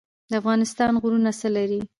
د افغانستان غرونه څه لري؟